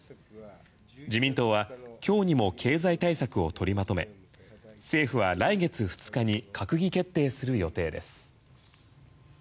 自民党は今日にも経済対策を取りまとめ政府は来月２日に閣議決定する予定です。